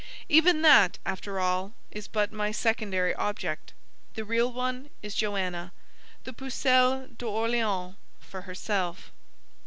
Even that, after all, is but my secondary object: the real one is Joanna, the Pucelle d'Orleans for herself.